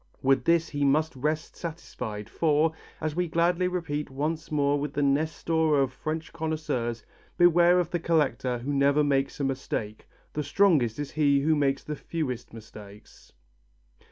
With this he must rest satisfied for, as we gladly repeat once more with the Nestor of French connoisseurs: "Beware of the collector who never makes a mistake; the strongest is he who makes the fewest mistakes."